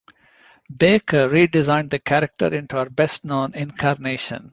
Baker redesigned the character into her best-known incarnation.